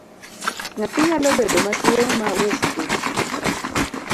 Nyathi nyalo bedo matuwo ma owe skul.